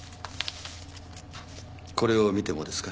これを見てもですか？